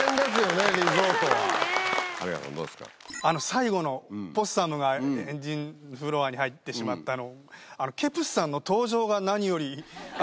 最後のポッサムがエンジンフロアに入ってしまったのケブズさんの登場が何より。